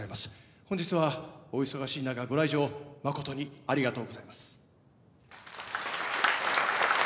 本日はお忙しい中ご来場誠にありがとうございます。